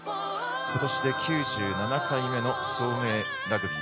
ことしで９７回目の早明ラグビー。